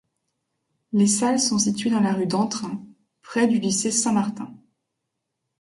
Les salles sont situées dans la rue d'Antrain près du Lycée St Martin.